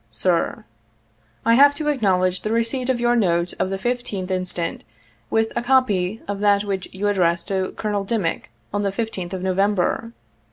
"Sir: "I have to acknowledge the receipt of your note of the 15th instant, with a copy of that which you addressed to Col. Dimick, on the 15th of November.